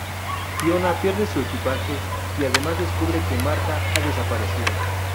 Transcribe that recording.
Fiona pierde su equipaje y además descubre que Martha ha desaparecido.